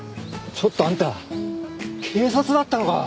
ちょっとあんた警察だったのか！？